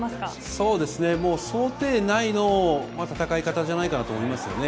そうですね、もう想定内の戦い方じゃないかなと思いますよね。